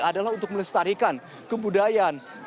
adalah untuk melestarikan kebudayaan